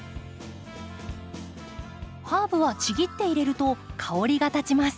ハーブはちぎって入れると香りがたちます。